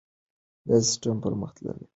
دا سیستم پرمختللی دی.